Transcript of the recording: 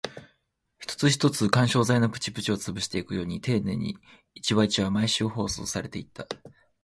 一つ一つ、緩衝材のプチプチを潰していくように丁寧に、一話一話、毎週放送されていった